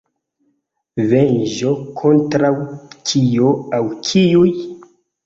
Venĝo kontraŭ kio aŭ kiuj?